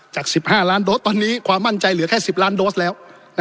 จาก๑๕ล้านโดสตอนนี้ความมั่นใจเหลือแค่๑๐ล้านโดสแล้ว